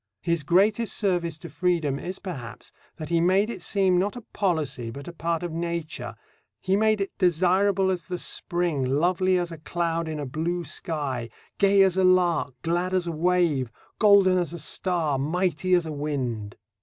His greatest service to freedom is, perhaps, that he made it seem, not a policy, but a part of Nature. He made it desirable as the spring, lovely as a cloud in a blue sky, gay as a lark, glad as a wave, golden as a star, mighty as a wind.